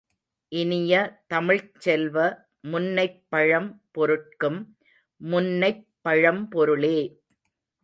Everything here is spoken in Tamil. இனிய தமிழ்ச் செல்வ, முன்னைப் பழம் பொருட்கும் முன்னைப் பழம்பொருளே!